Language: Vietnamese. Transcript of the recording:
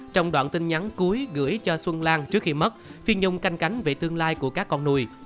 trong đoạn tin nhắn cuối gửi cho xuân lan trước khi mất phiêng canh cánh về tương lai của các con nuôi